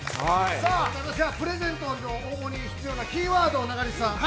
◆さあプレゼントの応募に必要なキーワードを中西さん。